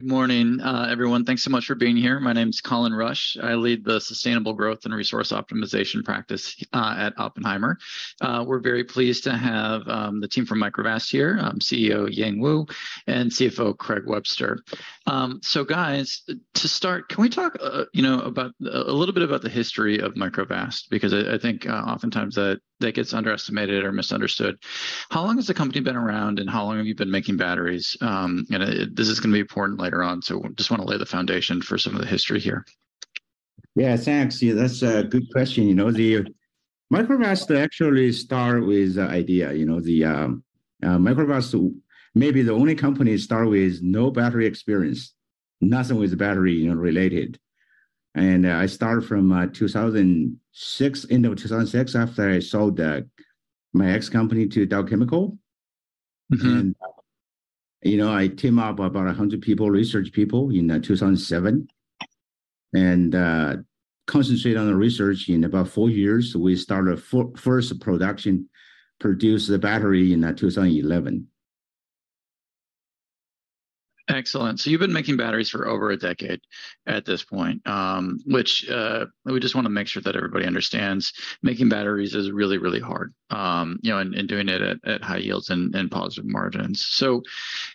Good morning, everyone. Thanks so much for being here. My name is Colin Rusch. I lead the Sustainable Growth and Resource Optimization practice at Oppenheimer. We're very pleased to have the team from Microvast here, CEO, Yang Wu, and CFO, Craig Webster. Guys, to start, can we talk, you know, about a little bit about the history of Microvast? Because I, I think oftentimes that, that gets underestimated or misunderstood. How long has the company been around, and how long have you been making batteries? And this is going to be important later on, so just want to lay the foundation for some of the history here. Yeah, thanks. Yeah, that's a good question. You know, the Microvast actually start with an idea. You know, the Microvast may be the only company start with no battery experience, nothing with battery, you know, related. I started from 2006, end of 2006, after I sold my ex-company to Dow Chemical. Mm-hmm. You know, I team up about 100 people, research people in 2007, and concentrate on the research. In about four years, we started first production, produce the battery in 2011. Excellent. You've been making batteries for over a decade at this point. We just want to make sure that everybody understands making batteries is really, really hard, you know, doing it at high yields and positive margins. You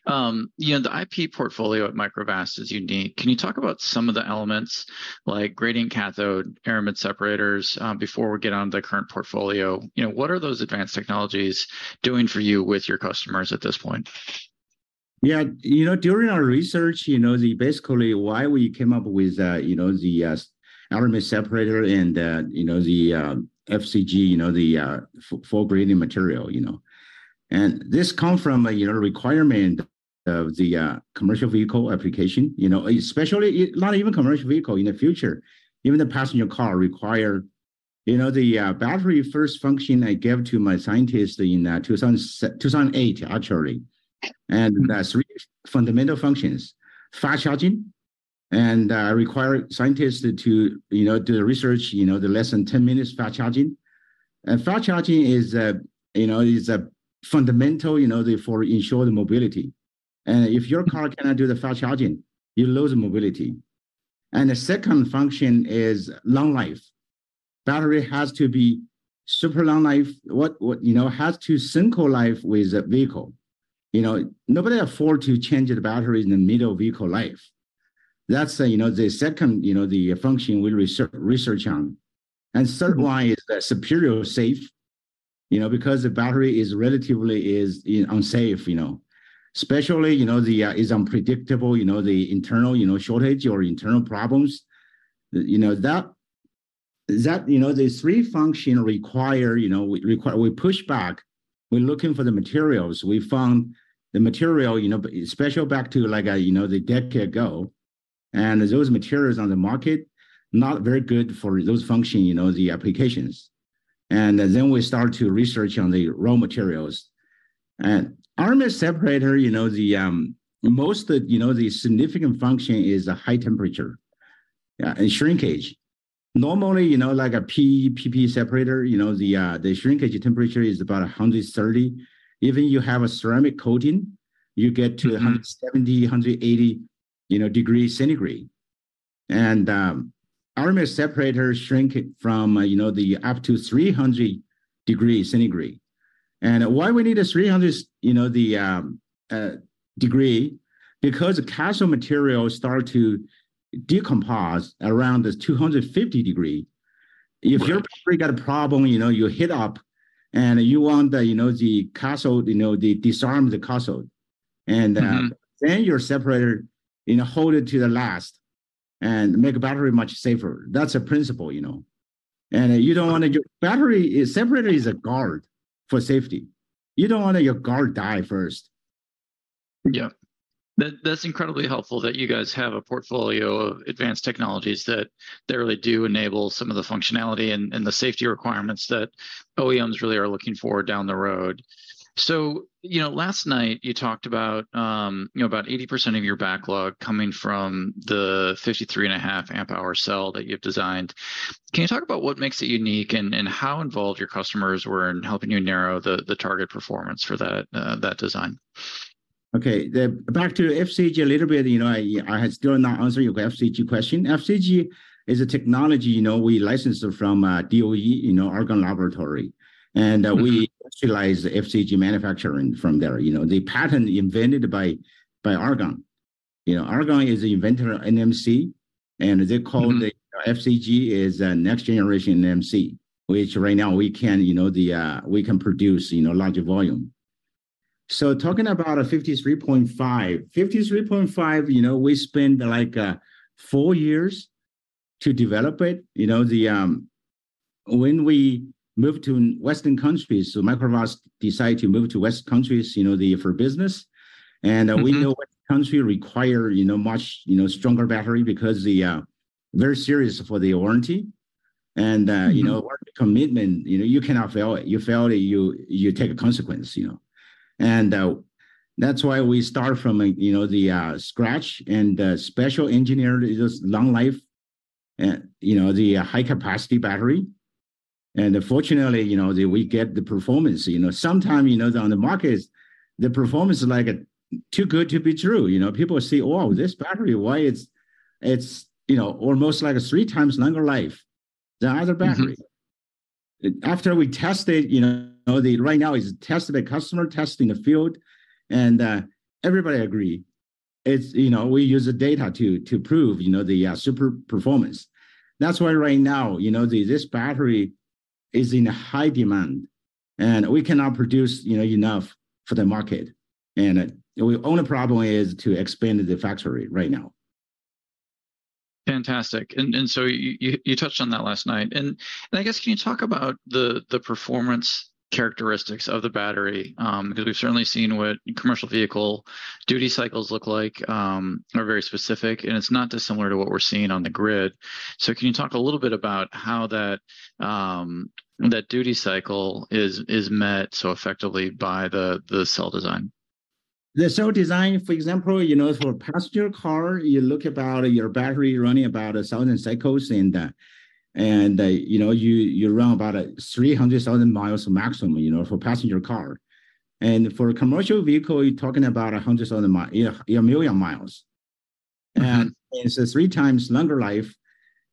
know, the IP portfolio at Microvast is unique. Can you talk about some of the elements, like gradient cathode, aramid separators, before we get on to the current portfolio? You know, what are those advanced technologies doing for you with your customers at this point? Yeah, you know, during our research, you know, basically why we came up with, you know, aramid separator and, you know, FCG, you know, full gradient material, you know. This come from a, you know, requirement of the commercial vehicle application, you know, especially, not even commercial vehicle in the future, even the passenger car require, you know, battery first function I gave to my scientists in 2008, actually. That's three fundamental functions: fast charging, and I require scientists to, you know, do the research, you know, less than 10 minutes fast charging. Fast charging is, you know, is a fundamental, you know, for ensure the mobility. If your car cannot do the fast charging, you lose the mobility. The second function is long life. Battery has to be super long life. What, what, you know, has to sync life with the vehicle. You know, nobody afford to change the batteries in the middle of vehicle life. That's, you know, the second, you know, the function we research, research on. Third one is the superior safe, you know, because the battery is relatively unsafe, you know. Especially, you know, is unpredictable, you know, the internal, you know, shortage or internal problems. You know, that, that, you know, the three function require, you know, we push back, we're looking for the materials. We found the material, you know, especially back to, like, you know, the decade ago, and those materials on the market, not very good for those function, you know, the applications. Then we start to research on the raw materials. Aramid separator, you know, the most, you know, the significant function is the high temperature and shrinkage. Normally, you know, like a PE, PP separator, you know, the shrinkage temperature is about 130. Even you have a ceramic coating, you get to- Mm-hmm... 170, 180 degrees centigrade. Aramid separators shrink it from up to 300 degrees centigrade. Why we need a 300 degree? Because the cathode material start to decompose around the 250 degree. Right. If you're pretty got a problem, you know, you hit up, and you want the, you know, the cathode, you know, disarm the cathode. Mm-hmm. Then your separator, you know, hold it to the last and make the battery much safer. That's the principle, you know. You don't want your battery, separator is a guard for safety. You don't want your guard die first. Yeah. That, that's incredibly helpful that you guys have a portfolio of advanced technologies that, that really do enable some of the functionality and, and the safety requirements that OEMs really are looking for down the road. You know, last night, you talked about, you know, about 80% of your backlog coming from the 53.5 Ah cell that you've designed. Can you talk about what makes it unique and, and how involved your customers were in helping you narrow the, the target performance for that design? Okay. The, back to the FCG a little bit, you know, I, I had still not answered your FCG question. FCG is a technology, you know, we licensed from DOE, you know, Argonne National Laboratory. Mm-hmm. We utilize the FCG manufacturing from there. You know, the patent invented by Argonne. You know, Argonne is the inventor of NMC. Mm-hmm... call the FCG is a next generation NMC, which right now we can, you know, we can produce, you know, larger volume. Talking about a 53.5, 53.5, you know, we spent, like, four years to develop it. When we moved to Western countries, Microvast decided to move to Western countries, you know, for business. Mm-hmm. We know what country require, you know, much, you know, stronger battery because the very serious for the warranty. Mm-hmm... you know, warranty commitment. You know, you cannot fail it. You fail it, you, you take a consequence, you know. That's why we start from a, you know, the scratch and special engineered this long life, you know, the high-capacity battery.... Fortunately, you know, we get the performance. You know, sometime, you know, on the market, the performance is, like, too good to be true, you know? People say, "Oh, this battery, why it's, it's, you know, almost like a three times longer life than other battery? Mm-hmm. After we test it, you know. Right now, it's tested, the customer testing the field, and everybody agree. It's, you know, we use the data to, to prove, you know, the super performance. That's why right now, you know, the, this battery is in high demand, and we cannot produce, you know, enough for the market. Only problem is to expand the factory right now. Fantastic. And so you touched on that last night. And I guess can you talk about the performance characteristics of the battery? Because we've certainly seen what commercial vehicle duty cycles look like, are very specific, and it's not dissimilar to what we're seeing on the grid. Can you talk a little bit about how that duty cycle is met so effectively by the cell design? The cell design, for example, you know, for a passenger car, you look about your battery running about 1,000 cycles, and, and, you know, you, you run about, 300,000 miles maximum, you know, for passenger car. For a commercial vehicle, you're talking about 100,000 mi- 1 million miles. Mm-hmm. It's a three times longer life.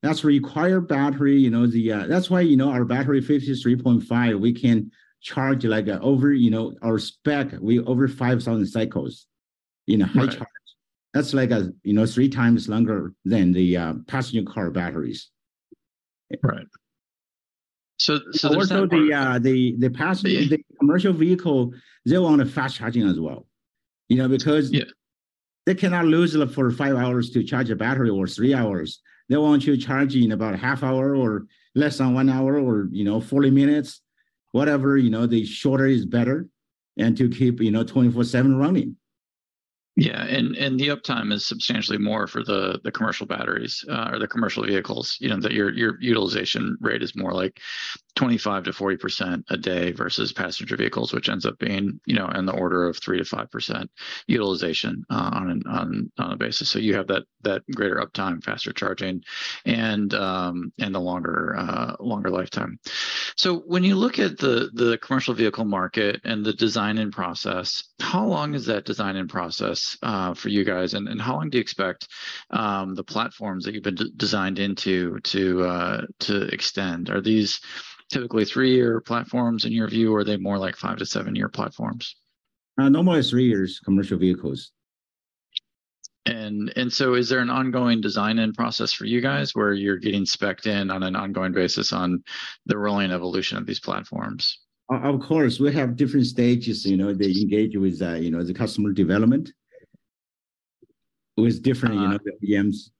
That's require battery, you know, the. That's why, you know, our battery, 53.5, we can charge, like, over, you know, our spec, we over 5,000 cycles, you know. Right... high charge. That's like, you know, 3x longer than the passenger car batteries. Right. Also, the, the, the passenger- Yeah... the commercial vehicle, they want a fast charging as well, you know, because... Yeah... they cannot lose it for five hours to charge a battery or three hours. They want you to charge in about a half hour or less than one hour or, you know, 40 minutes, whatever, you know, the shorter is better, and to keep, you know, 24/7 running. Yeah, and, and the uptime is substantially more for the, the commercial batteries, or the commercial vehicles. You know, that your, your utilization rate is more like 25%-40% a day versus passenger vehicles, which ends up being, you know, in the order of 3%-5% utilization, on, on, on a basis. You have that, that greater uptime, faster charging, and, and a longer, longer lifetime. When you look at the, the commercial vehicle market and the design and process, how long is that design and process, for you guys? How long do you expect, the platforms that you've been designed into to, to extend? Are these typically three-year platforms in your view, or are they more like five- to seven-year platforms? normally three years, commercial vehicles. Is there an ongoing design and process for you guys, where you're getting spec'd in on an ongoing basis on the rolling evolution of these platforms? Of course. We have different stages, you know, they engage with, you know, the customer development, who is different- Uh you know, the VMs.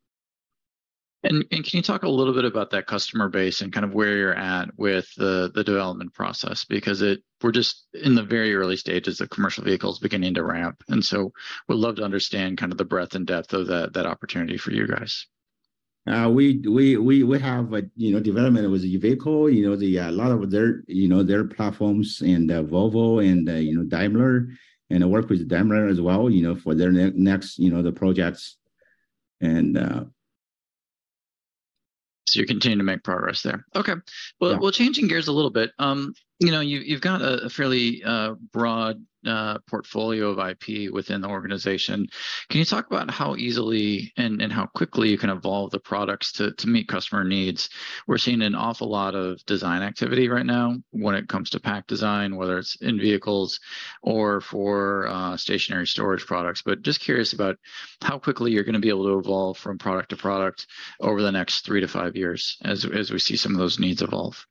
And can you talk a little bit about that customer base and kind of where you're at with the development process? Because we're just in the very early stages of commercial vehicles beginning to ramp, and so would love to understand kind of the breadth and depth of that, that opportunity for you guys. We have a, you know, development with the vehicle, you know, the a lot of their, you know, their platforms, and Volvo and, you know, Daimler, and work with Daimler as well, you know, for their next, you know, the projects. You're continuing to make progress there. Okay. Yeah. Well, well, changing gears a little bit, you know, you, you've got a fairly broad portfolio of IP within the organization. Can you talk about how easily and, and how quickly you can evolve the products to, to meet customer needs? We're seeing an awful lot of design activity right now when it comes to pack design, whether it's in vehicles or for stationary storage products. Just curious about how quickly you're going to be able to evolve from product to product over the next three to five years as, as we see some of those needs evolve.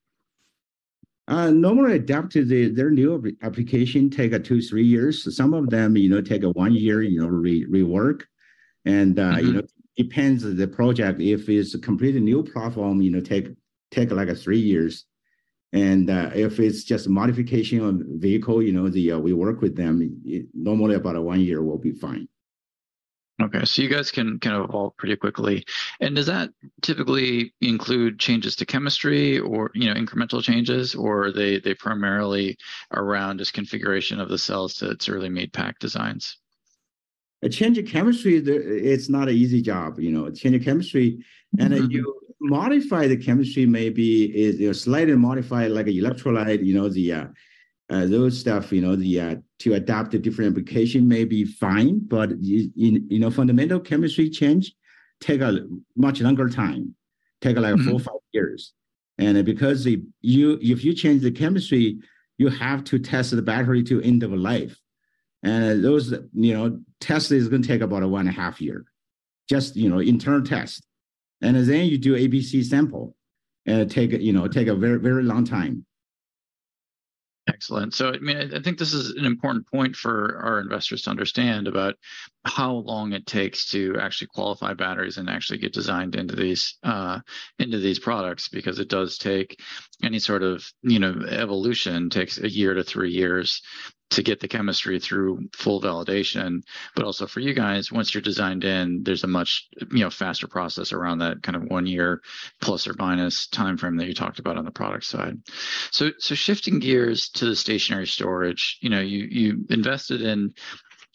Normally adapt to their new application take two, three years. Some of them, you know, take a one year, you know, rework. Mm-hmm. You know, depends on the project. If it's a completely new platform, you know, take, take, like, three years, and if it's just modification on vehicle, you know, the. We work with them, normally about one year will be fine. Okay, you guys can kind of evolve pretty quickly. Does that typically include changes to chemistry or, you know, incremental changes, or are they, they primarily around just configuration of the cells to its early made pack designs? A change of chemistry, it's not an easy job, you know. Mm-hmm... and then you modify the chemistry, maybe, it, you slightly modify, like, electrolyte, you know, the, those stuff, you know, the, to adapt a different application may be fine, but you, you know, fundamental chemistry change take a much longer time, take, like- Mm-hmm... Four, five years. Because if you, if you change the chemistry, you have to test the battery to end of life. Those, you know, test is going to take about a one and a half year. Just, you know, internal test. Then you do ABC sample, and it take, you know, take a very, very long time. Excellent. I mean, I think this is an important point for our investors to understand about how long it takes to actually qualify batteries and actually get designed into these, into these products, because it does take any sort of, you know, evolution takes one year to three years to get the chemistry through full validation. But also for you guys, once you're designed in, there's a much, you know, faster process around that kind of one year plus or minus timeframe that you talked about on the product side. Shifting gears to the stationary storage, you know, you, you invested in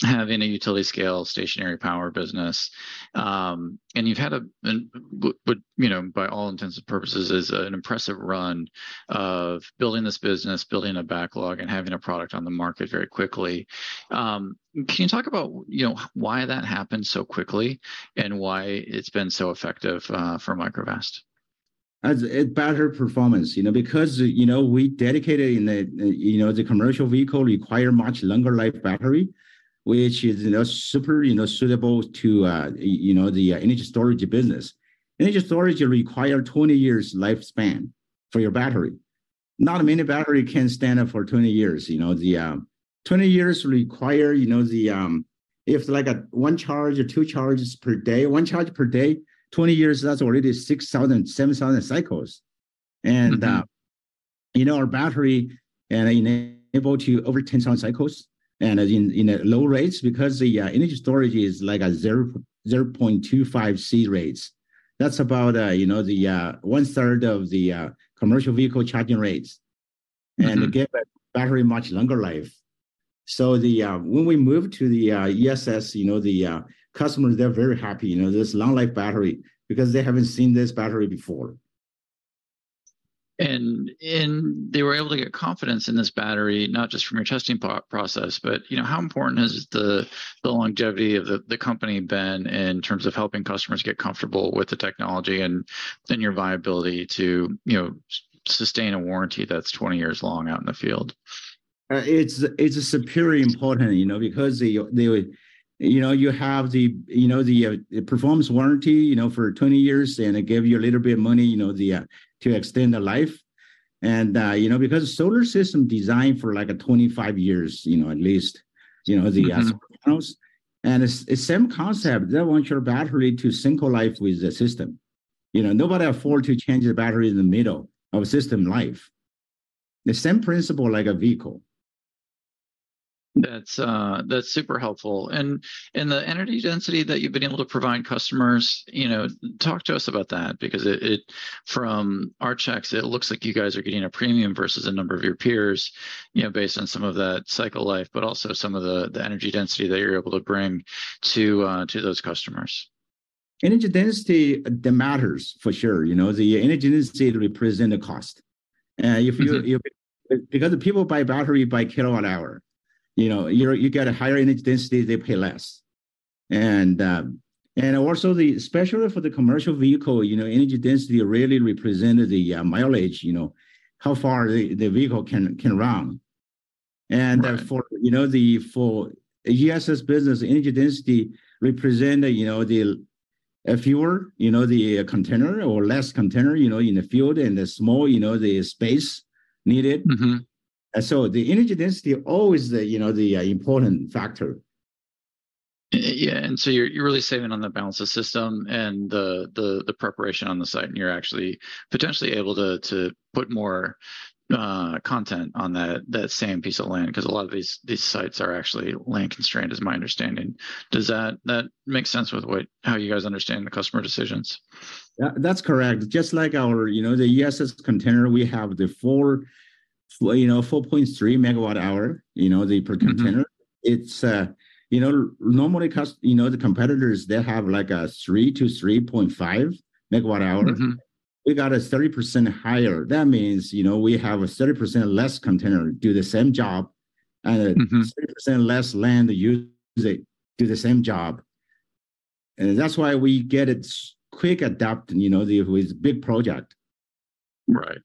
having a utility scale stationary power business. And you've had a, an, you know, by all intents and purposes, is an impressive run of building this business, building a backlog, and having a product on the market very quickly. Can you talk about, you know, why that happened so quickly, and why it's been so effective, for Microvast? As a better performance, you know, because, you know, we dedicated in the, you know, the commercial vehicle require much longer life battery, which is, you know, super, you know, suitable to, you know, the energy storage business. Energy storage require 20 years lifespan for your battery. Not many battery can stand up for 20 years, you know. 20 years require, you know. If like a one charge or two charges per day, one charge per day, 20 years, that's already 6,000, 7,000 cycles. Mm-hmm. You know, our battery enable to over 10,000 cycles and in, in low rates, because the energy storage is like a 0.25C rates. That's about, you know, 1/3 of the commercial vehicle charging rates. Mm-hmm. It give a battery much longer life. When we moved to the ESS, you know, the customers, they're very happy, you know, this long life battery, because they haven't seen this battery before. They were able to get confidence in this battery, not just from your testing process, but, you know, how important has the longevity of the company been in terms of helping customers get comfortable with the technology, and then your viability to, you know, sustain a warranty that's 20 years long out in the field? It's, it's a superior important, you know, because the, the, you know, you have the, you know, the performance warranty, you know, for 20 years, and it give you a little bit of money, you know, the to extend the life. You know, because solar system designed for, like, a 25 years, you know, at least, you know, the. Mm-hmm... panels. It's, it's same concept, they want your battery to sync life with the system. You know, nobody afford to change their battery in the middle of a system life. The same principle like a vehicle. That's, that's super helpful. The energy density that you've been able to provide customers, you know, talk to us about that, because from our checks, it looks like you guys are getting a premium versus a number of your peers, you know, based on some of that cycle life, but also some of the, the energy density that you're able to bring to, to those customers. Energy density, that matters, for sure. You know, the energy density represent the cost. Mm-hmm. If you, because the people buy battery by kilowatt-hour, you know. You, you get a higher energy density, they pay less. Also the, especially for the commercial vehicle, you know, energy density really represent the mileage, you know, how far the, the vehicle can, can run. Right. For, you know, the, for ESS business, energy density represent the, you know, the, a fewer, you know, the container or less container, you know, in the field and the small, you know, the space needed. Mm-hmm. The energy density always the, you know, the important factor. Yeah, you're, you're really saving on the balance of system and the, the, the preparation on the site, and you're actually potentially able to, to put more content on that, that same piece of land, because a lot of these, these sites are actually land constrained, is my understanding. Does that, that make sense with what, how you guys understand the customer decisions? That, that's correct. Just like our, you know, the ESS container, we have, you know, 4.3 MWh, you know, the per container. Mm-hmm. It's, you know, normally cost- you know, the competitors, they have like a 3 MWh-3.5 MWh. Mm-hmm. We got a 30% higher. That means, you know, we have a 30% less container do the same job. Mm-hmm... and 30% less land usage, do the same job. That's why we get a quick adapt, you know, the, with big project. Right.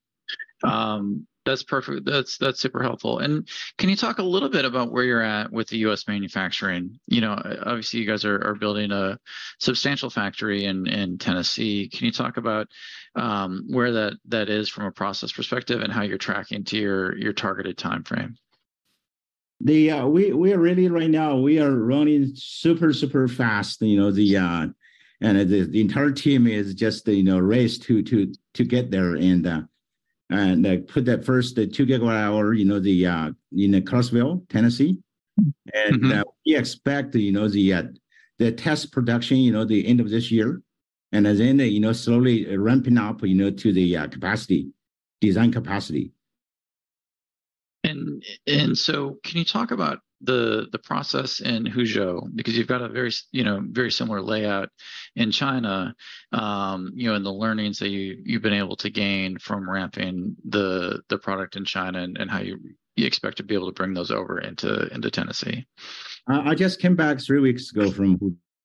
That's perfect. That's, that's super helpful. Can you talk a little bit about where you're at with the U.S. manufacturing? You know, obviously, you guys are, are building a substantial factory in, in Tennessee. Can you talk about, where that, that is from a process perspective, and how you're tracking to your, your targeted timeframe? We, we are really right now, we are running super, super fast, you know. The entire team is just, you know, race to, to, to get there and, and, like, put that first, the 2 GWh, you know, in Crossville, Tennessee. Mm-hmm. We expect, you know, the, the test production, you know, the end of this year. As in, you know, slowly ramping up, you know, to the, capacity, design capacity. Can you talk about the, the process in Huzhou? Because you've got a very you know, very similar layout in China, you know, and the learnings that you, you've been able to gain from ramping the, the product in China and, and how you, you expect to be able to bring those over into, into Tennessee. I just came back three weeks ago from,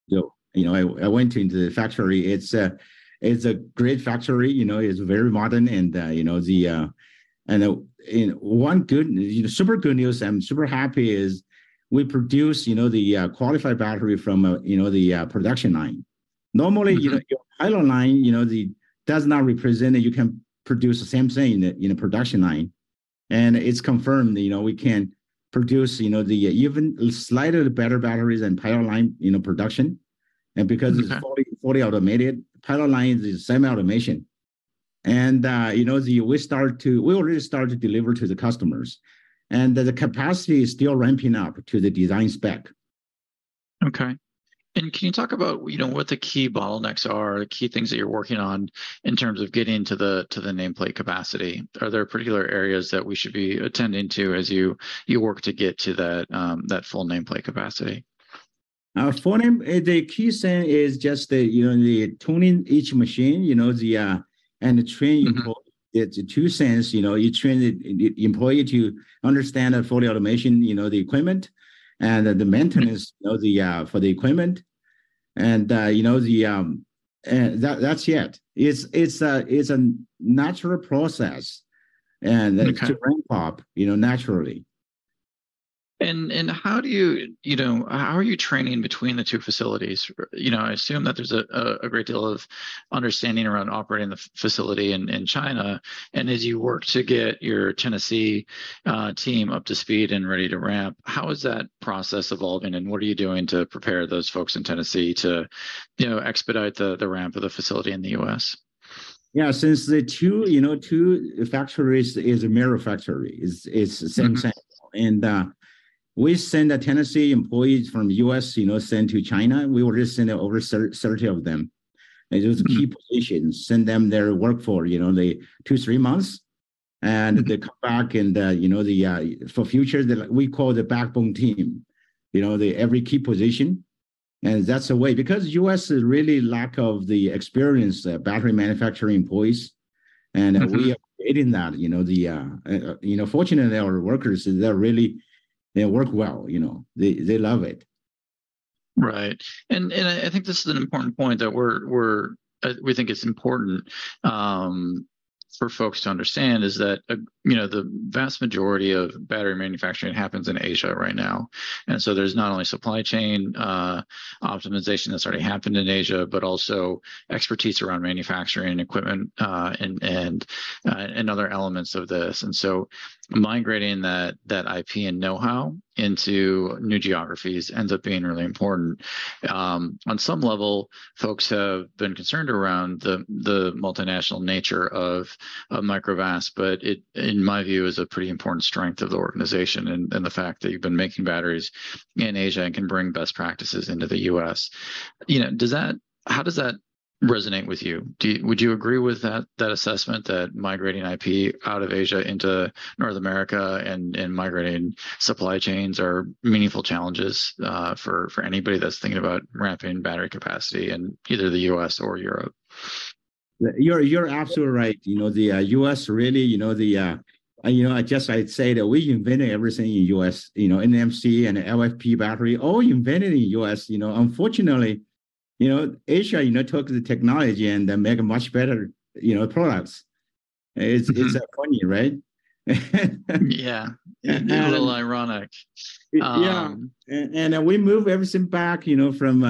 you know, I, I went into the factory. It's a, it's a great factory, you know, it's very modern and, you know, One good you know, super good news and I'm super happy, is we produce, you know, the qualified battery from, you know, the production line. Mm-hmm. Normally, you know, your pilot line, you know, does not represent that you can produce the same thing in a production line. It's confirmed, you know, we can produce, you know, even slightly better batteries than pilot line, you know, production. Mm-hmm. Because it's fully, fully automated, pilot line is semi-automation. You know, we already start to deliver to the customers, and the capacity is still ramping up to the design spec. Okay. Can you talk about, you know, what the key bottlenecks are, the key things that you're working on in terms of getting to the, to the nameplate capacity? Are there particular areas that we should be attending to as you, you work to get to that full nameplate capacity? Full name, the key thing is just the, you know, the tuning each machine, you know, the, and the training... Mm-hmm. It's the two cents, you know, you train the, the employee to understand that fully automation, you know, the equipment and the maintenance of the for the equipment. You know, the, and that, that's it. It's, it's a, it's a natural process, and then-. Okay it kind of ramp up, you know, naturally. How do you, you know, how are you training between the two facilities? You know, I assume that there's a great deal of understanding around operating the facility in China. As you work to get your Tennessee team up to speed and ready to ramp, how is that process evolving, and what are you doing to prepare those folks in Tennessee to, you know, expedite the ramp of the facility in the U.S? Since the two, you know, two factories is a mirror factory, it's, it's the same thing. Mm-hmm. We send the Tennessee employees from U.S., you know, send to China. We will just send over 30 of them. Mm-hmm. Those key positions, send them their workforce, you know, they two, three months, and they come back and, you know, the, for future, they like we call the backbone team. You know, the every key position, and that's the way. Because U.S. is really lack of the experience, the battery manufacturing employees- Mm-hmm We are creating that, you know, you know, fortunately, our workers, they work well. You know, they, they love it. Right. I think this is an important point that we're, we're, we think it's important, for folks to understand, is that, you know, the vast majority of battery manufacturing happens in Asia right now. There's not only supply chain, optimization that's already happened in Asia, but also expertise around manufacturing equipment, and, and, and other elements of this. Migrating that, that IP and know-how into new geographies ends up being really important. On some level, folks have been concerned around the, the multinational nature of Microvast, but it, in my view, is a pretty important strength of the organization and, and the fact that you've been making batteries in Asia and can bring best practices into the U.S. You know, does that- how does that resonate with you? Do you... Would you agree with that, that assessment that migrating IP out of Asia into North America and, and migrating supply chains are meaningful challenges, for anybody that's thinking about ramping battery capacity in either the U.S. or Europe? You're, you're absolutely right. You know, the U.S. really, you know, the, you know, I just I'd say that we invented everything in U.S., you know, NMC and LFP battery, all invented in US, you know. Unfortunately, you know, Asia, you know, took the technology and then make a much better, you know, products. Mm-hmm. It's, it's funny, right? Yeah. And- A little ironic. Yeah, and we move everything back, you know, from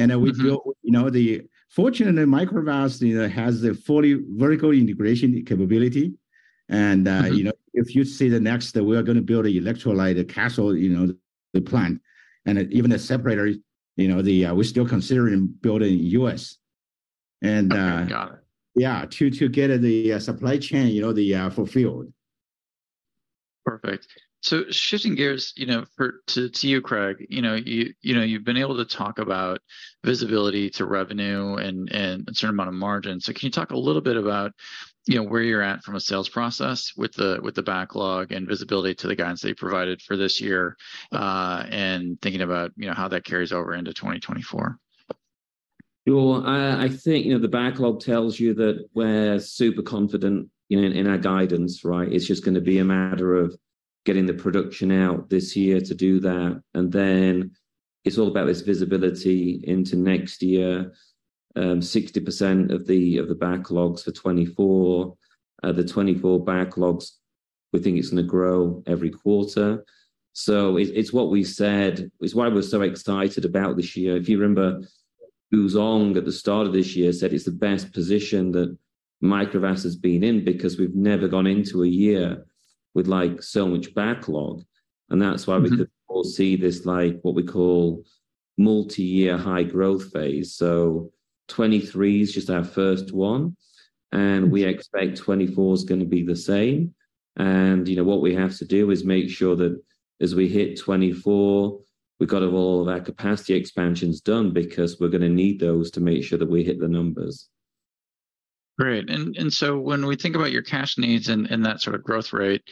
Asia, you know, specifically in China. Mm-hmm. We feel, you know, Fortunately, Microvast, you know, has the fully vertical integration capability. Mm-hmm. You know, if you see the next, that we are gonna build an electrolyte cathode, you know, the plant. And even the separator, you know, the, we're still considering building in U.S. Okay. Got it. Yeah, to, to get the supply chain, you know, the fulfilled. Perfect. Shifting gears, you know, for, to, to you, Craig, you know, you, you know, you've been able to talk about visibility to revenue and, and a certain amount of margin. Can you talk a little bit about, you know, where you're at from a sales process with the, with the backlog and visibility to the guidance that you provided for this year, and thinking about, you know, how that carries over into 2024? Well, I, I think, you know, the backlog tells you that we're super confident, you know, in our guidance, right? It's just gonna be a matter of getting the production out this year to do that, and then it's all about this visibility into next year. 60% of the, of the backlogs for 2024, the 2024 backlogs, we think it's gonna grow every quarter. It's, it's what we said. It's why we're so excited about this year. If you remember, Yang Wu, at the start of this year, said, "It's the best position that Microvast has been in, because we've never gone into a year with, like, so much backlog. Mm-hmm. That's why we could all see this, like, what we call multi-year high growth phase. 2023 is just our first one, and we expect 2024 is gonna be the same. You know, what we have to do is make sure that as we hit 2024, we've got all of our capacity expansions done, because we're gonna need those to make sure that we hit the numbers. Great. When we think about your cash needs and, and that sort of growth rate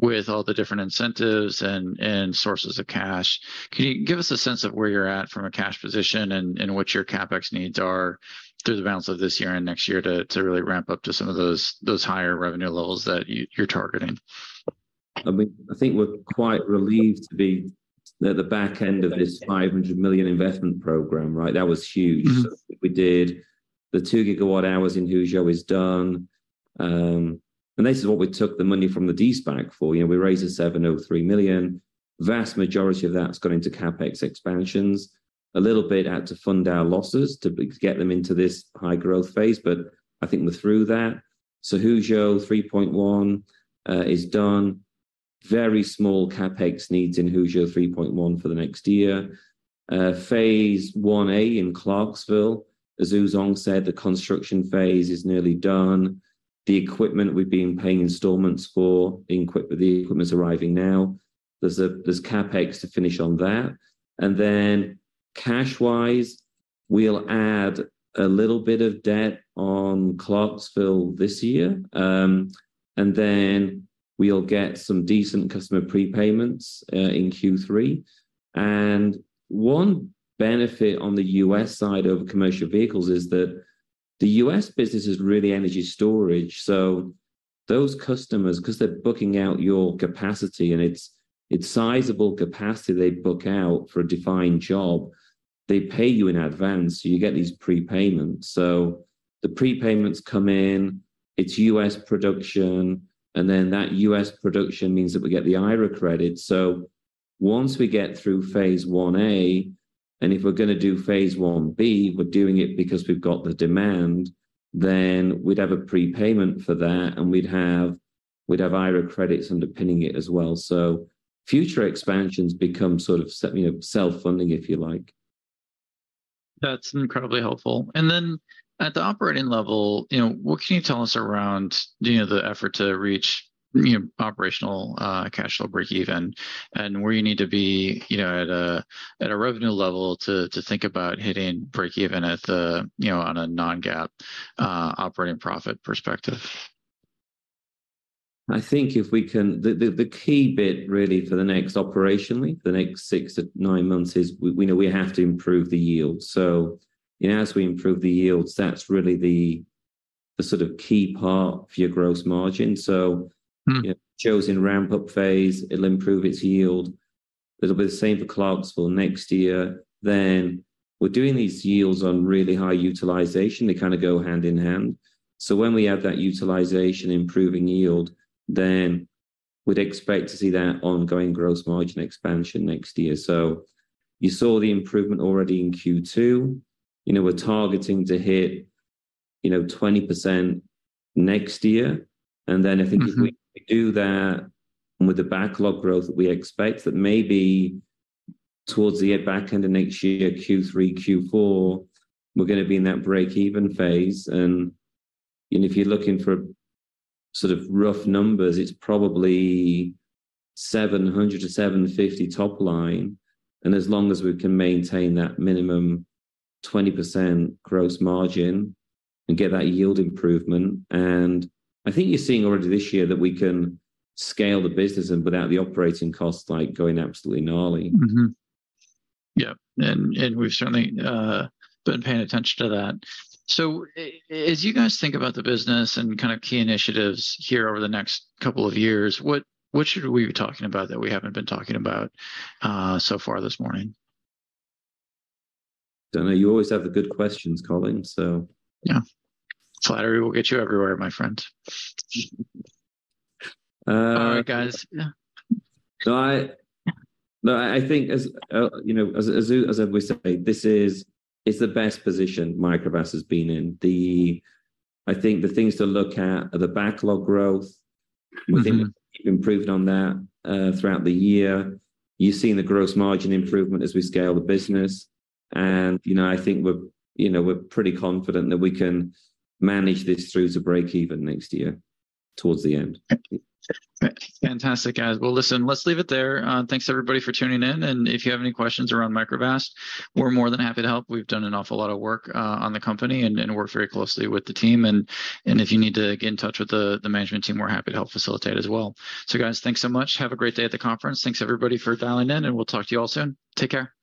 with all the different incentives and, and sources of cash, can you give us a sense of where you're at from a cash position, and, and what your CapEx needs are through the balance of this year and next year to, to really ramp up to some of those, those higher revenue levels that you, you're targeting? I mean, I think we're quite relieved to be at the back end of this $500 million investment program, right? That was huge. Mm. We did. The 2 GWh in Huzhou is done. This is what we took the money from the de-SPAC for. You know, we raised $703 million. Vast majority of that has gone into CapEx expansions. A little bit had to fund our losses, to get them into this high growth phase, but I think we're through that. Huzhou 3.1 is done. Very small CapEx needs in Huzhou 3.1 for the next year. Phase I-A in Clarksville, as Yang Wu said, the construction phase is nearly done. The equipment we've been paying installments for, being equipped with, the equipment is arriving now. There's CapEx to finish on that, and then cash-wise, we'll add a little bit of debt on Clarksville this year. Then we'll get some decent customer prepayments in Q3. One benefit on the U.S. side of commercial vehicles is that the U.S. business is really energy storage, so those customers, because they're booking out your capacity, and it's, it's sizable capacity, they book out for a defined job. They pay you in advance, so you get these prepayments. The prepayments come in, it's U.S. production, and then that U.S. production means that we get the IRA credit. Once we get through phase I-A, and if we're gonna do phase I-B, we're doing it because we've got the demand, then we'd have a prepayment for that, and we'd have, we'd have IRA credits underpinning it as well. Future expansions become sort of you know, self-funding, if you like. That's incredibly helpful. Then, at the operating level, you know, what can you tell us around, you know, the effort to reach, you know, operational cash flow breakeven? Where you need to be, you know, at a, at a revenue level to, to think about hitting breakeven at the, you know, on a non-GAAP operating profit perspective. I think the key bit really for the next, operationally, for the next six to nine months, is we know we have to improve the yield. You know, as we improve the yields, that's really the sort of key part for your gross margin. Mm. Huzhou's ramp-up phase, it'll improve its yield. It'll be the same for Clarksville next year. We're doing these yields on really high utilization. They kind of go hand in hand. When we add that utilization improving yield, then we'd expect to see that ongoing gross margin expansion next year. You saw the improvement already in Q2. You know, we're targeting to hit, you know, 20% next year. Mm-hmm. I think if we do that, with the backlog growth, we expect that maybe towards the back end of next year, Q3, Q4, we're gonna be in that breakeven phase. You know, if you're looking for sort of rough numbers, it's probably $700 million-$750 million top line, and as long as we can maintain that minimum 20% gross margin and get that yield improvement, and I think you're seeing already this year that we can scale the business and without the operating costs, like, going absolutely gnarly. Mm-hmm. Yep, and we've certainly been paying attention to that. As you guys think about the business and kind of key initiatives here over the next couple of years, what, what should we be talking about that we haven't been talking about so far this morning? Don't know. You always have the good questions, Colin, so... Yeah. Flattery will get you everywhere, my friend. Uh- All right, guys, yeah. No, I think as, you know, as we say, this is, it's the best position Microvast has been in. I think the things to look at are the backlog growth... Mm-hmm... we think we've improved on that throughout the year. You've seen the gross margin improvement as we scale the business. You know, I think we're, you know, we're pretty confident that we can manage this through to breakeven next year, towards the end. Fantastic, guys. Well, listen, let's leave it there. Thanks, everybody, for tuning in, if you have any questions around Microvast, we're more than happy to help. We've done an awful lot of work on the company and, and worked very closely with the team, and, and if you need to get in touch with the, the management team, we're happy to help facilitate as well. Guys, thanks so much. Have a great day at the conference. Thanks, everybody, for dialing in, we'll talk to you all soon. Take care.